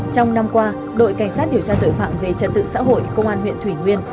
trong năm qua đội cảnh sát điều tra tội phạm về trật tự xã hội công an huyện thủy nguyên